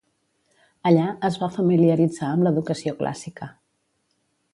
Allà es va familiaritzar amb l'educació clàssica.